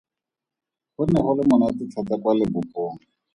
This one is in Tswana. Go ne go le monate thata kwa lebopong.